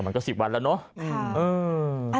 มันก็๑๐วันแล้วเนาะ